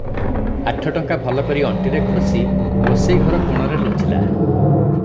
ଆଠ ଟଙ୍କା ଭଲ କରି ଅଣ୍ଟିରେ ଖୋଷି ରୋଷେଇ ଘର କୋଣରେ ଲୁଚିଲା ।